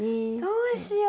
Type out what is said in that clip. どうしよう。